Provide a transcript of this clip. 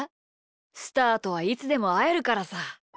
スターとはいつでもあえるからさ。